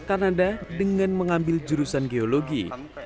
kanada dengan mengambil jurusan geologi